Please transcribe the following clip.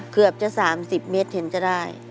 เกือบจะ๓๐เมตรเห็นจะได้